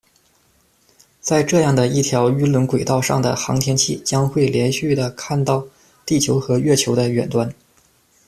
在这样的一条晕轮轨道上的航天器将会连续地看到地球和月球的远端。